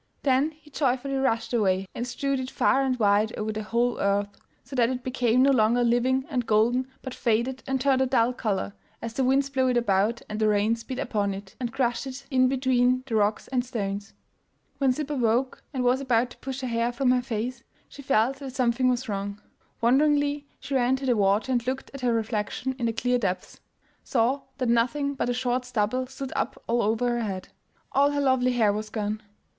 Then he joyfully rushed away and strewed it far and wide over the whole earth, so that it became no longer living and golden but faded and turned a dull color as the winds blew it about and the rains beat upon it, and crushed it in between the rocks and stones. When Sib awoke and was about to push the hair from her face, she felt that something was wrong. Wonderingly she ran to the water and looking at her reflection in the clear depths, saw that nothing but a short stubble stood up all over her head. All her lovely hair was gone!